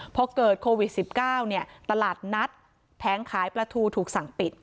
พอเกิดโควิด๑๙เนี่ยตลาดนัดแผงขายปลาทูถูกสั่งปิด